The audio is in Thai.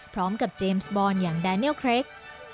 พร้อมกับเจมส์บอร์นอย่างแดเนียลเครค